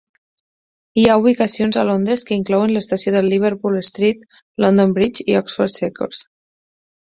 Hi ha ubicacions a Londres que inclouen l'estació de Liverpool Street, London Bridge i Oxfors Circus.